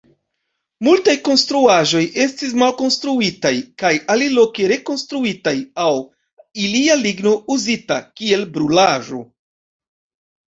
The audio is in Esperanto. Multaj konstruaĵoj estis malkonstruitaj kaj aliloke rekonstruitaj aŭ ilia ligno uzita kiel brulaĵo.